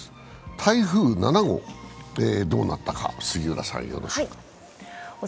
台風７号、どうなったか、杉浦さんよろしく。